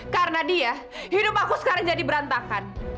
karena dia hidup aku sekarang jadi berantakan